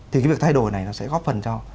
thì cái việc thay đổi này nó sẽ góp phần cho